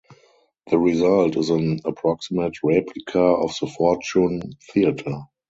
The result is an approximate replica of the Fortune Theatre.